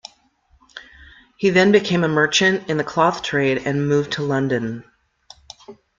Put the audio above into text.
He then became a merchant in the cloth trade and moved to London.